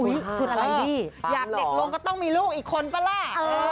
อยากเด็กลงก็ต้องมีลูกอีกคนก็แหละ